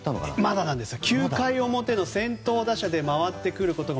まだなんですよ。